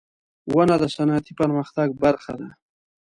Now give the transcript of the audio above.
• ونه د صنعتي پرمختګ برخه ده.